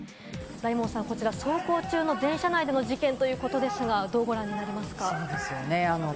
大門さん、こちら走行中の電車内での事件ということですが、どうご覧になりますか？